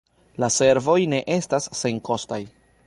La servoj ne estas senkostaj.